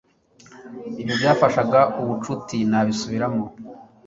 ibyo byafashaga mubucuti nabisubiramo